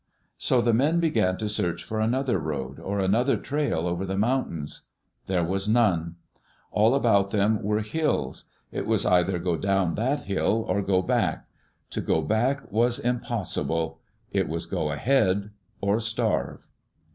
So the men began to search for another road, or an other trail over the mountains. There was none. All about them were hills. It was either go down that hill or go back. To go back was impossible. It was go ahead or starve.